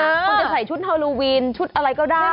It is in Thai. คุณจะใส่ชุดฮาโลวีนชุดอะไรก็ได้